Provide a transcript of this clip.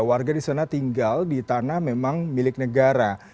warga di sana tinggal di tanah memang milik negara